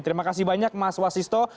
terima kasih banyak mas wasisto